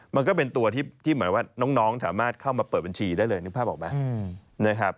มันก็เป็นตัวที่เหมือนว่าน้องสามารถเข้ามาเปิดบัญชีได้เลยนึกภาพออกไหมนะครับ